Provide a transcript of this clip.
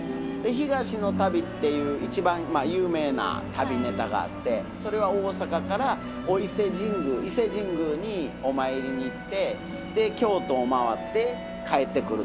「東の旅」っていう一番有名な旅ネタがあってそれは大阪からお伊勢神宮伊勢神宮にお参りに行って京都を回って帰ってくるっていうお噺なんですけども。